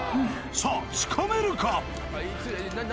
さあ、つかめるか？